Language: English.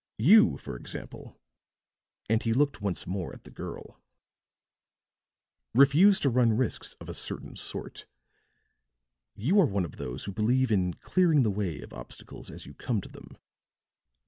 You, for example," and he looked once more at the girl, "refuse to run risks of a certain sort. You are one of those who believe in clearing the way of obstacles as you come to them.